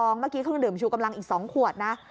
เมื่อกี้เครื่องดื่มชูกำลังอีก๒ขวดนะ